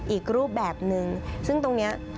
อีกรูปแบบนึงซึ่งตรงนี้